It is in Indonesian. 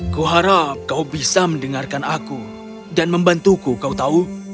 kuharap kau bisa mendengarkan aku dan membantuku kau tahu